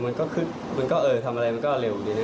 มันก็คึกมันก็เออทำอะไรมันก็เร็วดี